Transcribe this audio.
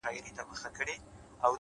د خاموش پارک بنچونه تل د انتظار ځای وي,